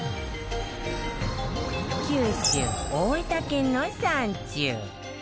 九州、大分県の山中。